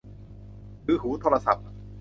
ถือหูโทรศัพท์